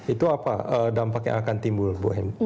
itu apa dampak yang akan timbul bu hen